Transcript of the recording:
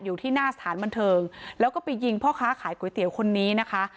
อยู่ที่หน้าสถานบันเทิงแล้วก็ไปยิงพ่อค้าขายก๋วยเตี๋ยวคนนี้นะคะ